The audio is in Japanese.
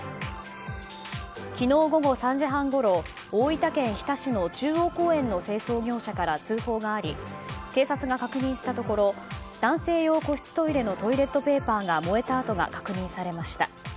昨日午後３時半ごろ大分県日田市の中央公園の清掃業者から通報があり警察が確認したところ男性用個室トイレのトイレットペーパーが燃えた跡が確認されました。